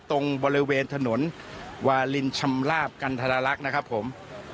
ตรงบริเวณถนนวาลินชำลาบกันทรลักษณ์นะครับผม